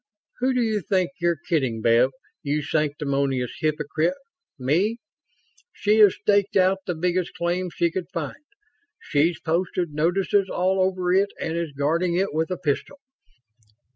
Who do you think you're kidding, Bev, you sanctimonious hypocrite me? She has staked out the biggest claim she could find. She's posted notices all over it and is guarding it with a pistol.